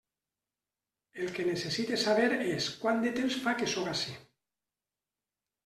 El que necessite saber és quant de temps fa que sóc ací.